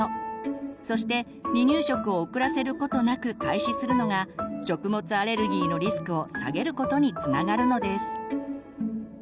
そして離乳食を遅らせることなく開始するのが食物アレルギーのリスクを下げることにつながるのです。